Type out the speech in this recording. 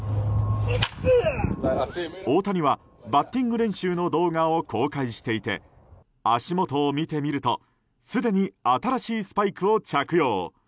大谷はバッティング練習の動画を公開していて足元を見てみるとすでに新しいスパイクを着用。